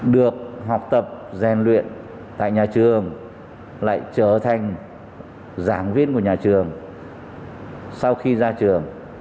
được học tập rèn luyện tại nhà trường lại trở thành giảng viên của nhà trường sau khi ra trường